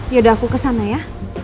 yaudah aku kesana ya